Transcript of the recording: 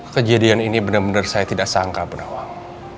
kejadian ini bener bener saya tidak sangka bu nawang